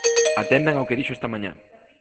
Atendan ao que dixo esta mañá.